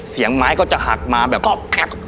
เสียงไม้ก็จะหักมาแบบก๊อบ